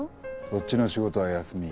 そっちの仕事は休み。